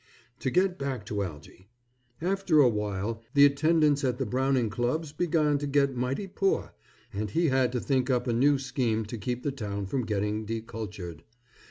To get back to Algy, after a while the attendance at the Browning clubs began to get mighty poor, and he had to think up a new scheme to keep the town from getting decultured.